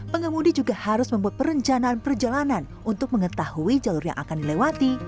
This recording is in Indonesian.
pengemudi juga harus membuat perencanaan perjalanan untuk mengetahui jalur yang akan dilewati